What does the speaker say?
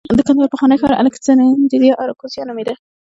د کندهار پخوانی ښار الکسندریه اراکوزیا نومېده